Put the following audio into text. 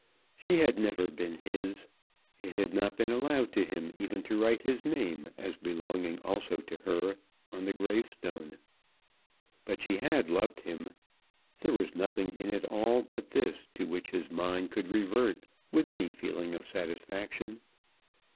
She had never been his. It had not been allowed to him even to write his name, as belonging also to her, on the gravestone. But she had loved him. There was nothing in it all but this to which his mind could revert with any feeling of satisfaction.